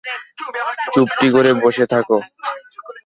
চুপটি করে বসে থাকো।